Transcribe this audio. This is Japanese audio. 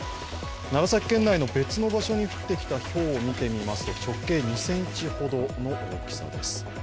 長崎県内の別の場所に降ってきたひょうを見てみますと、直径２ｃｍほどの大きさです。